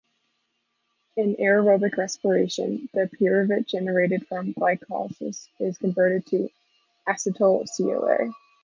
In aerobic respiration, the pyruvate generated from glycolysis is converted to acetyl-CoA.